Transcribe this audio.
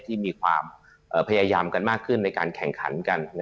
ที่มีความพยายามกันมากขึ้นในการแข่งขันกัน